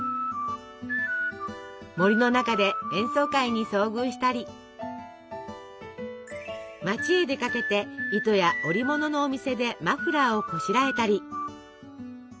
森の中で演奏会に遭遇したり町へ出かけて糸や織物のお店でマフラーをこしらえたり。